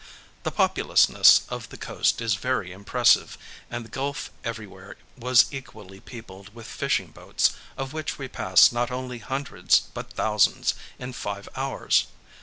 The populousness of the coast is very impressive, and the gulf everywhere was equally peopled with fishing boats, of which we passed not only hundreds, but thousands, in five hours.